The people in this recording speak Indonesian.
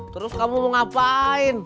terus kamu mau ngapain